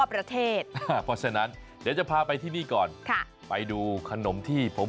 เพราะฉะนั้นเดี๋ยวจะพาไปที่นี่ก่อนค่ะไปดูขนมที่ผม